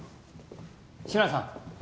志村さん